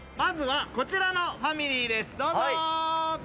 まずはこちらのファミリーです。